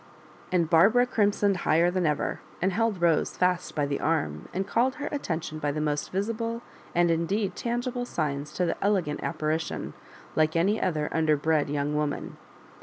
And Barbara crimsoned higher than ever, and held Hose fast by the arm, and called her atten tion by the most visible and indeed tangible signs to the elegant apparition, like any other underbred young woman.